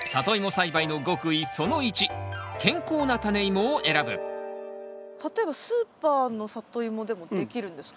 栽培の例えばスーパーのサトイモでもできるんですか？